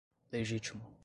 legítimo